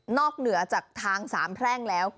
นอกเหนือจากทางสามแห้งแล้ว